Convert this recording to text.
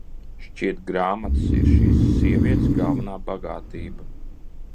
Šķiet grāmatas ir šīs sievietes galvenā bagātība.